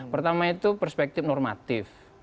pertama itu perspektif normatif